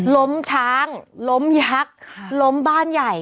ล้มช้างล้มยักษ์ล้มบ้านใหญ่